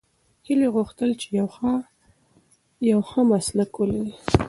هیلې غوښتل چې یو ښه مسلک ولري.